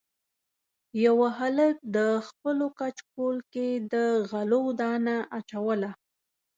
یوه هلک د خپلو کچکول کې د غلو دانه اچوله.